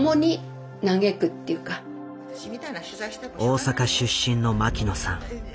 大阪出身の牧野さん。